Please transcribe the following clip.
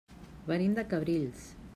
Venim de Cabrils.